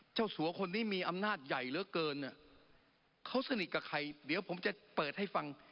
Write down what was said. สัวคนนี้มีอำนาจใหญ่เหลือเกินเขาสนิทกับใครเดี๋ยวผมจะเปิดให้ฟัง